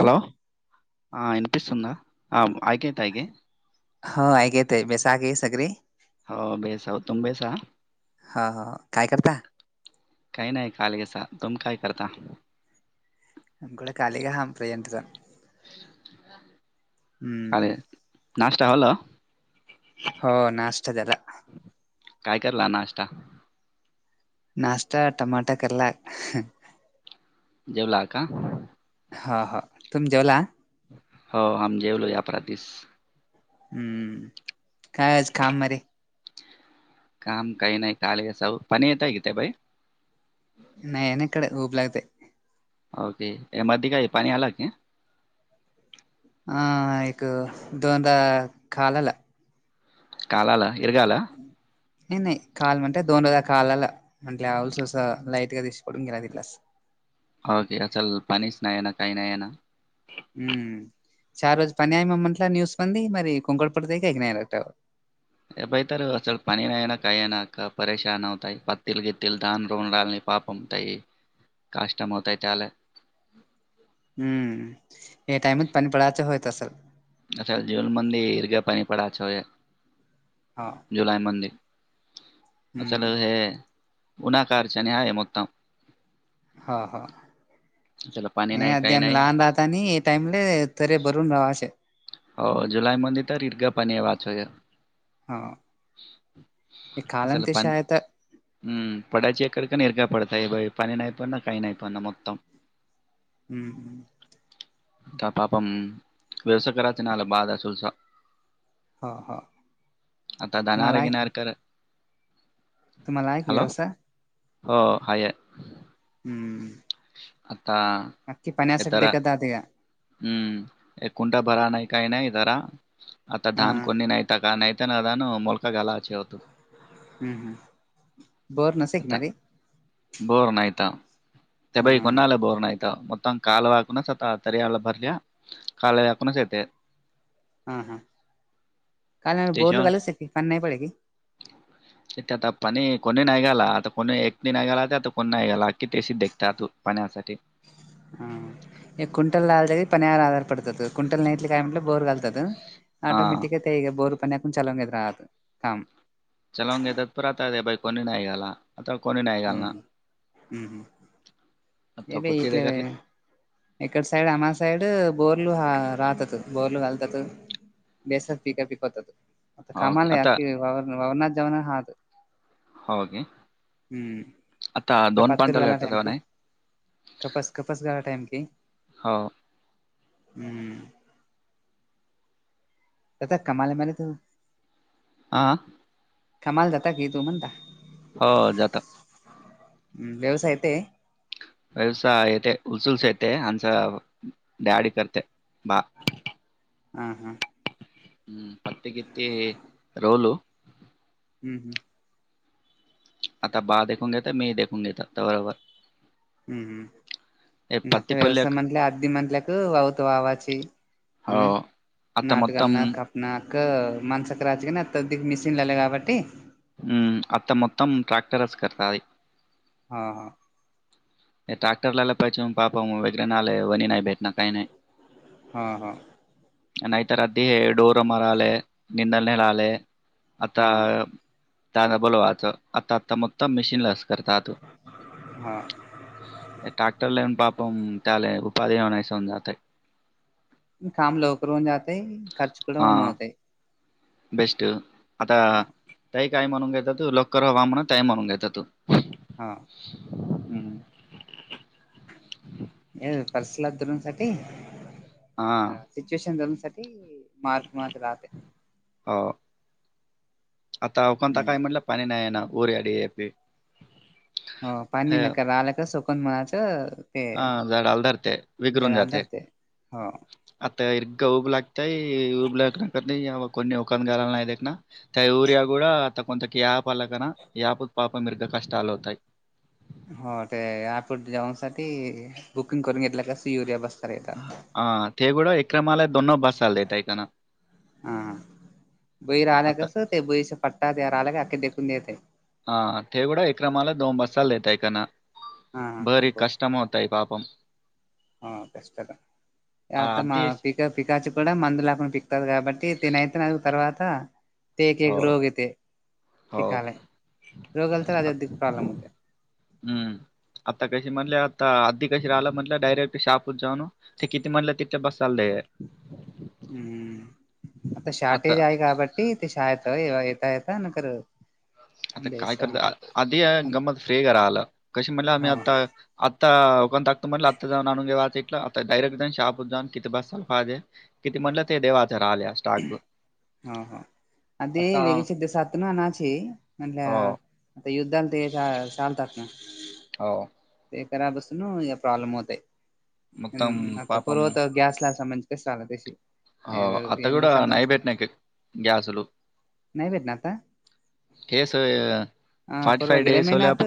Hello ह [unintelligible] हा, ऐक येत बेसागे सगरी. हो बेसा तुम बेसा. हा हा, काय करता. काही नाही कालगसा, तुम्ही काय करता. आमक खाली हम प्रियंटदा. हम्म अरे नाष्टा व्हल. हा नाश्ता झाला. काय करला नाश्ता. नाश्ता टमाटा केला. जेवला का? हां हां, तुम्ही जेवला. हो आम जेवलो याप्रादीस. हम्म, काय आज कामरे. काम काही नाही काले सऊ, पाणी येत गीता बाई. नाही नाकडे भूक लागते. ओके. य मधी काय पाणी आले क्या. अं.. एक दोनदा खालला. कालाला इरगाला. नाही नाही काल म्हणतय दोन कालाला. म्हटल अऑस अस लाईट ग दिशी पडून गेला तथलाच. हो तेचल पाणीचं नाही आहे ना, काही नाही येना. हम्, चार रोज पानी आहे मग म्हंटल, न्यूज पण दे मरी [unintelligible] [unintelligible] पापते काष्टम त्याले. हम्म, हे टाइमच पाणी पडायचं होत असलं. आता जेवन मांदणे [unintelligible] पणी पडाचोय. हा. जुलैमध्येंद असल हे उणा्हाकारच्याने आहे मतम. हा हा ये अधी काही आम्ही नाही लहान राहत‌. त्यांनी टाइमले तरी, भरून राव असे. हो जुलैमध्ये तर इर्गा पाणी वाचोय. हा हे कालम असल तशे पान. आहेत [unintelligible] हम्म हम्. का पापम विवस कराचनला बाधा सुलसा. हो हो आता तुम्हाला दधनार आहे घिन की कर. तुम्हाला आहे की हॅलो व्यवस हो हाय. हम्म. आता, हे तर [unintelligible] हम्म, ये कुंडा भरा नाही काही नाही जरा, आता हा धान कोणी नाही‌. [unintelligible] दं मुलका गालाच. हम्म हम्म बर नसे की आता मारी [unintelligible] बोर नाहीता त्या हा बाई कोणा आला बोर नाहीता मगतांग काल वाकणचता [unintelligible] [inaudible] [unintelligible] ह हां काले न बोर्ल कला सकीी पनई पडकी [unintelligible] [inaudible] ते ते आता पाणी कोणी नाहीघाला आता कोणी एक नाहीघाला आता कोणी नाही गाला अखी तेस [unintelligible] त्यातून पाण्यासाठी हम. एक कुंल लाल त पनी आार आधार पडतात कुंल नईट काय म्हमे बोर कालतात [unintelligible] हा ऑटोमॅटिक आहे ते बोरपणकून चालवून घेत राहात काम [unintelligible] चलावे दत्पु आता बाई कोणी ना नाहीय काला [unintelligible] आतावा कोणी नाहीय घाल ना हम्म हम्म हम्म आतावा कु्टी द करले [unintelligible] इकड सैड आम सईड बोर्ल ह रातात बोर्ल घलतात [unintelligible] [inaudible] [unintelligible] ओके आता ओके आता हम्मे दोन पत्तल कला एम क [unintelligible] कपास कपास गाडा टाईम की? हो हम्म. [unintelligible] आं. कमाल जाता की तू म्हता [unintelligible] हो जात व्यवसाय ते [unintelligible] व्यवसा येते उलसुलता येते आचा दिडी करते बा [unintelligible] हम् हम्. हम्म कत्ते किती रोोल [unintelligible] हम् हम. आता बा देखून देत मी देखून घेतातता बरोबर [unintelligible] हम् हम्. हे आता व्यवसाय पत्तीपल्लक म्हंटल्या आधी म्हणल्या ग वावाची. हो हम्म. आता मतम [unintelligible] नाक मनसेक राचका ना त मिशीीन लाले का बाटी [unintelligible] [unintelligible] हा हा. हे टॅक्टरलालंला पाहिजे पापा वगैरे ना आले वणी नाही भेटणार काही नाही [unintelligible] हा हा. नाहीतर अधी हे डोर मार आले निंदल निला आले [unintelligible] आता हा हा त बोलवाच आता आता मत मशीन लस करतात [unintelligible] हा. ट्रॅक्टर लान पापम त्याले उपाधी होऊन [unintelligible] जात. काम लवकर होऊन जाते खर्च कुठे हा पण होते [unintelligible] बेस्ट. आता ताई काय म्हणून घेतात, लॉक करावा म्हण ताई म्हणून घेतात. हां. ये पर्सला दुरण सा हा आता [unintelligible] सिच्युएशन जासाठी मार्क मात राहते [unintelligible] हो. आता कोणता काय हो म्हटलं पाणी ना मग नल आहे ना र्याडी आहे पी [unintelligible] हो पाणी नका रा आला का सुकन म्हणायचं [unintelligible] हा झाडाला धरते विघरून जळाला जाते धरते हो [unintelligible] आता इर्ग उऊब लागतय उऊब लाक नाही कोणी होओक गाला ना नाही देक ना [unintelligible] त्यायूरया कड आता कोंत याप आला काना याप पाप मिरग कष्टलवताय [unintelligible] हो ते यापोर्ट जेवनसाठी बुकिंग करून घेतल्या का स युरिया बस्ता [unintelligible] हा तेगुड एकक्रमालय दोनो बस [unintelligible] हा बैर आल्या आता कासर [unintelligible] बोस प्टा ते अरालाग अडे देून येतय [unintelligible] हा तेवढा एक्रमाला दोन बसाला देत आहेऐक ना हा अ बरी कष्टम होत [unintelligible] तई पापम [unintelligible] हा बेस्ट आ, आता आधीच पी [unintelligible] प पिकाची क मंद लाखना पिकताात काबटी तिनते ना तर्वाता [unintelligible] ते एक एक हो रोग येते हो पिकाला आता रोगल तर अध अध प्रॉब्लेम होते [unintelligible] हम्म आता कशी म्हटले आता आधी कशी राहिला म्हटलं डायरेक्ट शापच जाऊन [unintelligible] ते किती म्हणलं तिथल्या बसार दैअल. हम्म आता शॉ्टेज आहे का बट [unintelligible] ते ते शायतवा यथ यथ न करा [unintelligible] आता काय करत आधी गमत फ्रीे का राहिलं कशी म्हणलं आम्ही हो आता [unintelligible] आत्ता होकण तात म्हटलं आत्ता जाऊन आणून घे एकदा. डायरेक्ट जा शहापूर जाऊन किती बसल पाजे किती म्हटलं ते देवाचे राहिले अस [unintelligible] हो हो आ ते आता वेगळेच दिसात ना नाची म्हटल्या हो [unintelligible] आता युद्धला ते चालतात ना [unintelligible] हो. ते खराब असून प्रॉब्लेम होतय हम्म आता पूर्वत गॅसला संबधित [unintelligible] ते सान तेशी [unintelligible] हो आता कवढं नाही भेट नाही का गॅसलू नाही भेटणार आता [unintelligible] केस हा परवा फॅटफव गेल्या महिन्यात डेससोलाब.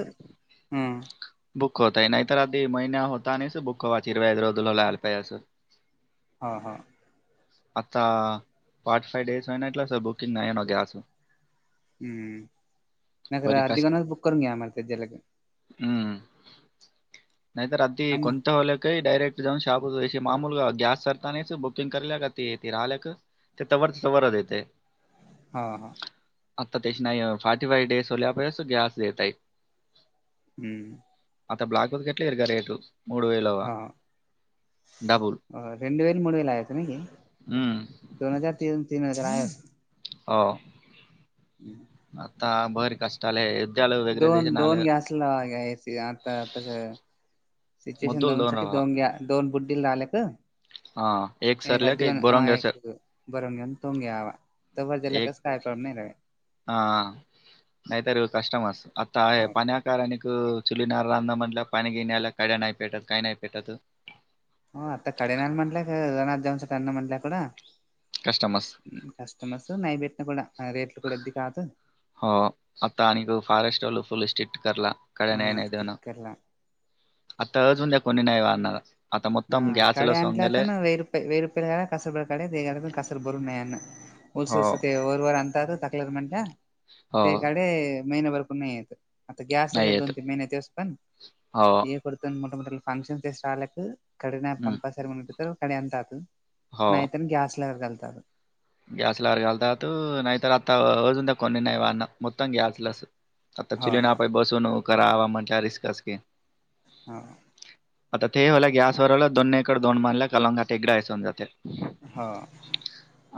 हम्म बुक होतय नाहीतर आधी महिन्या होता नाही बुकवाचीिरवा रजलालायला पाहिे असं [unintelligible] हां हां. आता फार्ट फाव्ह डडेस होन एटला सर बुकिंग नाही ना ग्यास [unintelligible] हम्म. मग अर्धीना बुक करून घ्या आम मला त्याच्या लगून [unintelligible] हम्. नाहीत तरर अधदी अम्मा कोंत हले काही डैरेक्ट जऊन ाप मामूल का ग्यास सरता नाही ब [unintelligible] ल्या का ते त राहिल्या क ते तवरवरत येते [unintelligible] हां हां आता त्याशी नाही फॉर्टी फाईव डेस होल्यापस गॅस देतई [unintelligible] हम्म. आता ब्लाक बत कटलीेर का रेट. हा रेड वेल मुड वेला यायचं ना की [unintelligible] हम्म. दोन हजार तीन तीन हजार आहे [unintelligible] हो. [inaudible] [unintelligible] आता भर काशी तले युद्याल [unintelligible] दोन दोन घ्यासला ग्या एसी आता तस [unintelligible] सिच्युएशन मुद्दल दोन दोनूठी राहा दोन बुड्डील आले का हा एक [unintelligible] सरल्या का एक रधक बोरंग सर ह [unintelligible] बरोंग घेऊन तोंग घवा तर जला एक कस काय प्रॉब्लेम आहे [unintelligible] हा नाहीतर कस्टमर्स आता हे हो पाण्या ताराक चुली नार रांदम म्हंला पणी गिनला कड्यान नाहीहीपेतात काहीन नाहीईपेटात [unintelligible] हो आता कडे नाल म्हंटलंय का रनाथजऊन त्यांना म्हटलंय ककडं [unintelligible] कस्टमर कस्टमर्स नाहीईबेटना क रेटल क यदी काू [unintelligible] हो आता आणिक फॉरेस्ट वाल फुल स्ट्रिक्ट करला. कड्या नाही हा नाही देणं चितकरला. आता अजून द्या, कोणी नाही आणारा. हां.. काडे आणल्या तर ना वेर. [unintelligible] ते हो म्हणल्या, हो ते कडे महिनभर पण नाही येत. आता गॅस आले नाही दोन येत तीन महिने दिवस पण, हो हे करतो मोठ मोठ्या फंक्शन तेस आलं की. हम्म हो [unintelligible] [unintelligible] आता हो चुली ना हो प बसून न करा, आवा म्हणाव च रिस्कच की. हां.. आता ते हो गॅसवरल दोन्हीकडे दोनड मनल्या कल [unintelligible] हं..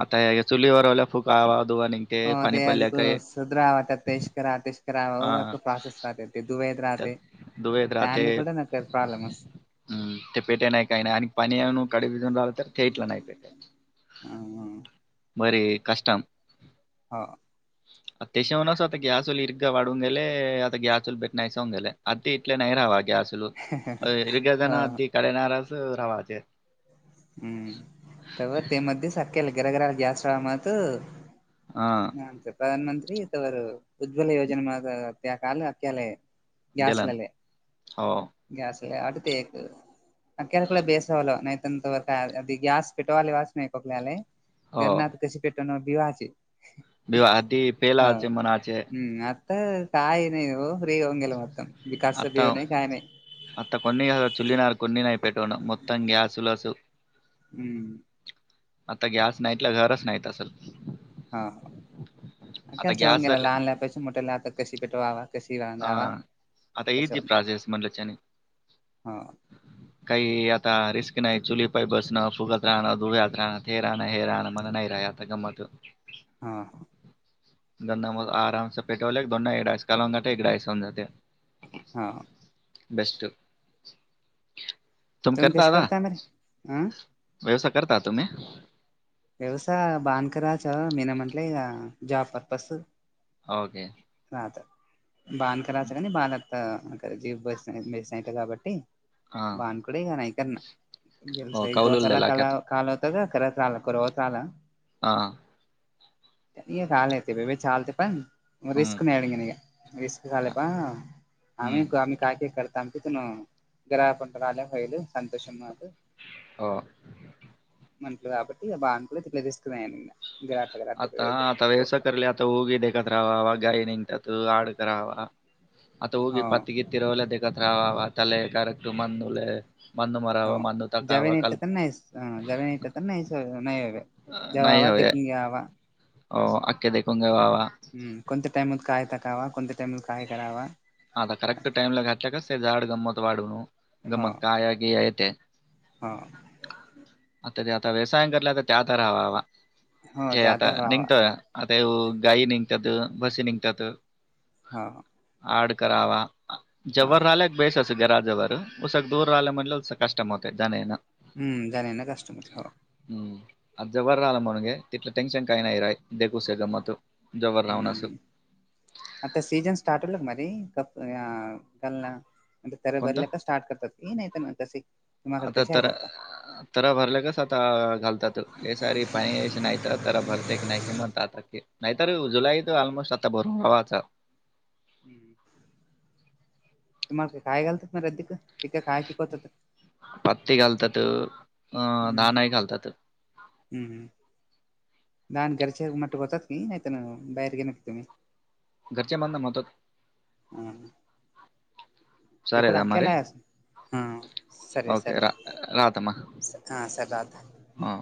आता हे चुली वरल्या, फूंका आवा अधुवा नि अ त्यात [unintelligible] त्याल कुठं न कर प्रॉब्लेम असं. हम्.. ते पेटे नाही काही नाही आणि, पाणी आणु कडे भिजून राहिलं तर पेटलं नाही ते. अं.. बरी हे कष्टम हां.. [inaudible] अं ते केशवच आता गॅसल इर्ग वाढूून दिले, आता गॅसल भेटस गेले आता इटले नाही राहा गॅस. [unintelligible] हम्म.. तर [unintelligible] जास्त मत. हा आमचं प्रधान मंत्री तवर उज्ज्वल योजना माझा त्या काल केलंय. ते दिलन असल्याले. हो गॅसला अटतेक [unintelligible] बेसवालं नाही त्यानंतर काय अ गॅस पेटवाले वास नाही कोकल्याला हो गरनात कशी पेटवणार बिवाची. विवा हातदी ह तेलाचे मनाचे. हम्म. आता काही नाही हो फ्री होऊन गेलं होत विकासच बीऊ नाही काही नाही. आता कोणी चुलीनार कोणीन नाही पेटवणं फक्त ग्यास चालू असो. हं. आता गॅस नाईटला घरच नाहीत तसं. हा आता अख्याच ठेऊन गॅस गेला आले लहान लाकडाची मोठी लाकडं कशी पेटवावं? हा आता येते गेला प्राजेस म्हणलं च्यांनी. हो काही आता रिस्क नाही चुली पाई बसणं फुगत राहणं धुव्यात खाण ते राहणं हे राहणं मला नाही राहत. एका मधं. हा. दोनम आरामस पेटवाल्या एक दोनड एकयस जाते एकडायस होऊन जाते. हां. बेस्टच तुम तुम्ही करता कशी आता? मरे अं व्यवसाय करता तुम्ही. व्यवसाय बानकराचं, मी नाही म्हंटले जॉब पर्पस ओके. राहतं. बाध करायचं का नाही हां बान [unintelligible] [unintelligible] हो एक दोन कौलूल साार दिला काल का काल होतं का, खरा चाल परवा चाला. हां. तीच आले ते बे बी चालते पण. मग हम्म रिस्क मिळाली की नाही? रिस्क झाले पहा हम्म आम्ही ग काय काय कर चप त ना ग्रहपड रले फैल संतोषम मात हो [unintelligible] म्हंटला काबट या बावंपला तिले तेस नाही अला [unintelligible] आता आता व्यवसाय कली आता हगी दे एकत्रवावा गाई निंंतात आडक रावा हो [unintelligible] [unintelligible] मण मरावा मण तकावा कल्प [unintelligible] हा जलनेतात नैस नयवे [unintelligible] नाही हो हो अखखे देखून घ वावा [unintelligible] हम् कोणत्या टाइमत काय करावा कोणत्या टाइमत काय करावा आता करेक्ट टाइम ला घातल्या कस ते झाड गंमत वाढवून गंमत का गि येते [unintelligible] हा. आता ते आता व्यवसायन करलाता त्या आता रहावावा [unintelligible] हो हे त्या आता तर रावा निघतोय आता ये गाई निघतात बस निघतात. हा. आड करावा जबर राला बेस अस ग राजजवरर उसग दूर रा आलं म्हटल उस कष्टम होते जनन [unintelligible] हम् जाले ना कस्ष्टमती हो. हम् अज ज बर राहिला म्हनग तिथला टेनशन काही नाहीई रा दगूसे गमत [unintelligible] राहून असं हम्म आता सीझन स्टार्ट होल का मनि कपल म्ह तर कोणता भरल्या का स्टार्ट करतात [unintelligible] मी नाही तर मग कसे [unintelligible] आता तर तररा भरले कस आता घालतात हे सारी पाणी नाही तर तर भरते की नाही की म्हणतता [unintelligible] नाही तर जुलईत ऑलमोस्ट आता भर हवाचा [unintelligible] हम् तुम्हाला का काय घालतात ना अदीिक पिक काय पिकवतात [unintelligible] पत्ती घालतात अं दाणाही घालतात [unintelligible] हम् हम. द घरीच मट होतात की नाही बाहेर गेन तुम्ही [unintelligible] घरचे म्हणतात मतोद [unintelligible] सरे ईकड दा आख्यान मारे आहे आज. हां सर सर ओके रा हां सर राहता हा.